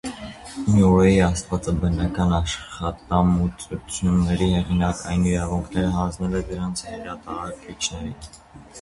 Մյուրեյի աստվածաբանական աշխատությունների հեղինակային իրավունքները հանձնել է դրանց հրատարակիչներին։